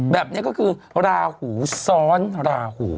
แบบนี้ก็คือราหูซ้อนราหู